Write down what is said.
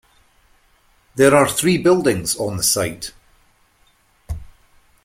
There are three buildings on the site.